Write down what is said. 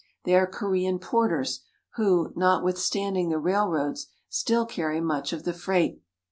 They are Korean porters, who, notwithstanding the railroads, still carry much of the freight.